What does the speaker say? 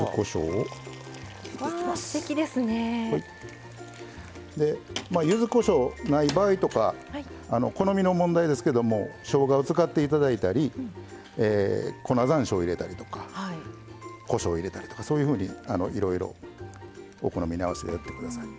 わあすてきですね。ゆずこしょうない場合とか好みの問題ですけどもしょうがを使っていただいたり粉ざんしょうを入れたりとかこしょう入れたりとかそういうふうにいろいろお好みに合わせてやってください。